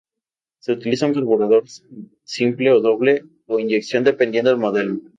Se utilizaba un carburador simple o doble, o inyección, dependiendo del modelo.